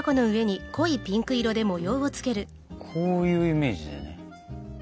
こういうイメージだよね